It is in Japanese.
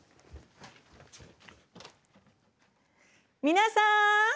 皆さん！